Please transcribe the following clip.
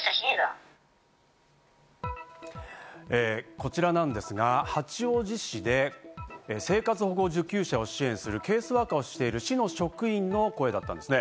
こちらなんですが、八王子市で生活保護受給者を支援するケースワーカーをしている市の職員の声だったんですね。